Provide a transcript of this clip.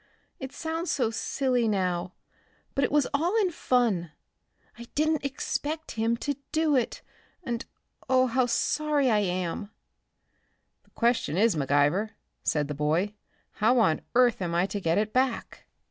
It sounds so silly now, but it was all in fun. I didn't expect him to do it. And, oh! how sorry I am!" "The question is, McIver," said the boy, "how on earth am I to get it back."